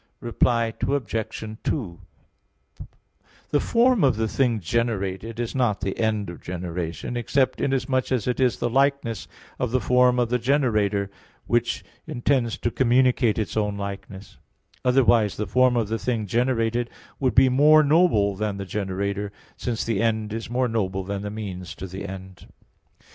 Reply Obj. 2: The form of the thing generated is not the end of generation, except inasmuch as it is the likeness of the form of the generator, which intends to communicate its own likeness; otherwise the form of the thing generated would be more noble than the generator, since the end is more noble than the means to the end.